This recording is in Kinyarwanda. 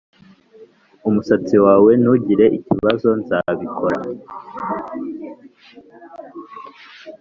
umusatsi wawe. ntugire ikibazo, nzabikora